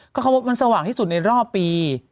เขาว่ามันสว่างที่สุดในรอบปี